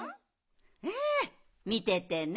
ええみててね。